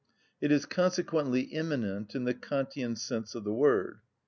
It is consequently immanent, in the Kantian sense of the word.